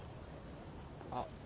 あっ。